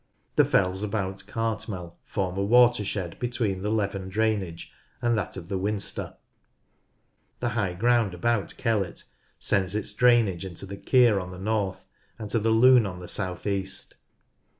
The fells about Cartmel form a watershed between the Leven drainage and that of the Winster. The hi<jh ground about Kellet sends its drainage into the Keer on the north and to the Lune on the south east.